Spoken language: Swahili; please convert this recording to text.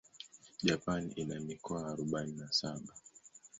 Japan ina mikoa arubaini na saba.